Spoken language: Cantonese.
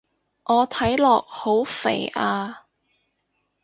我睇落好肥啊